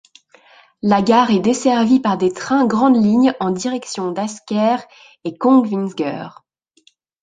La gare est desservie par des trains grandes lignes en direction d'Asker et Kongsvinger.